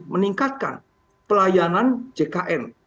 meningkatkan pelayanan jkn